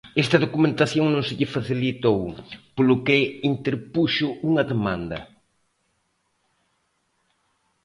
Esta documentación non se lle facilitou, polo que interpuxo unha demanda.